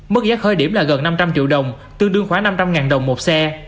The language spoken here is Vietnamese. mức giá khởi điểm là gần năm trăm linh triệu đồng tương đương khoảng năm trăm linh đồng một xe